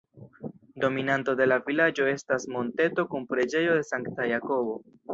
Dominanto de la vilaĝo estas monteto kun preĝejo de Sankta Jakobo.